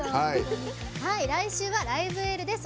来週は「ライブエール」です。